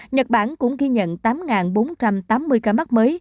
nhật bản cũng ghi nhận tám bốn trăm tám mươi tám ca mắc mới trong ngày tám tháng một vừa qua